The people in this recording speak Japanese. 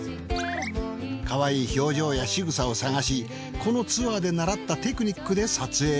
かわいい表情や仕草を探しこのツアーで習ったテクニックで撮影。